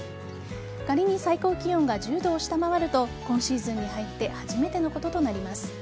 仮に最高気温が１０度を下回ると今シーズンに入って初めてのこととなります。